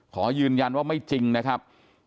ขอยืนยันว่าไม่จริงนะครับ